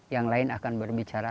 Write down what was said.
yang lain akan berbicara